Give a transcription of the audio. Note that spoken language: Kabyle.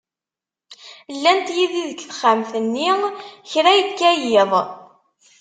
Llant yid-i deg texxamt-nni, kra yekka yiḍ.